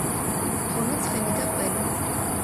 ღომი ცხელი და ყველი